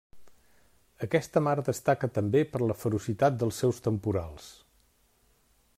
Aquesta mar destaca també per la ferocitat dels seus temporals.